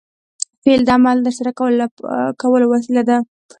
فعل د عمل د ترسره کولو وسیله ده.